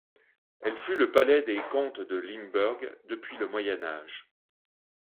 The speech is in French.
Elle fut le palais des comtes de Limburg depuis le Moyen Âge.